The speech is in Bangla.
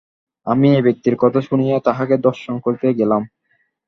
আমি এই ব্যক্তির কথা শুনিয়া তাঁহাকে দর্শন করিতে গেলাম।